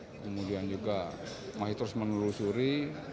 kemudian juga masih terus menelusuri